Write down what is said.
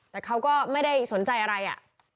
แต่เขาก็ไม่ได้สนใจอะไรอ่ะ